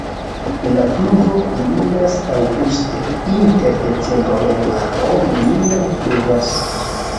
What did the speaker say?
La pluvo kulminas aŭguste, inter decembro-januaro neniam pluvas.